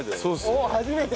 おおっ初めて！